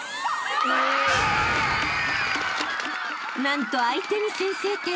［なんと相手に先制点］